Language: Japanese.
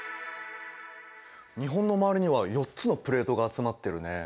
日本の周りには４つのプレートが集まってるね。